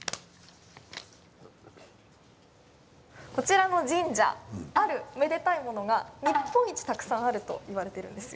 こちらの神社ある、めでたいものが日本一たくさんあるといわれているんですよ。